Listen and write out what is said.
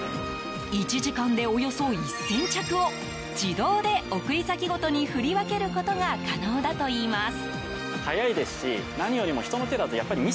１時間で、およそ１０００着を自動で送り先ごとに振り分けることが可能だといいます。